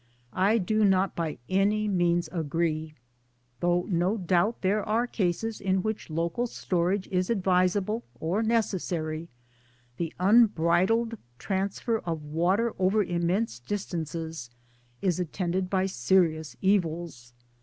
I do not by any means agree. Though no doubt there are cases in which local storage is advisable or neces sary, the unbridled transfer of water over immense distances is attended by serious evils.